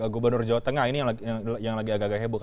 gubernur jawa tengah ini yang lagi agak agak heboh